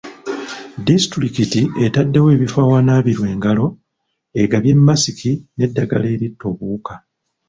Disitulikiti etaddewo ebifo awanaabirwa engalo, egabye masiki n'eddagala eritta obuwuka.